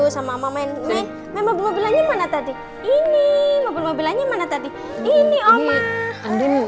sama sama main main memang belanya mana tadi ini mobil mobilnya mana tadi ini